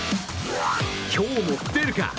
今日も出るか？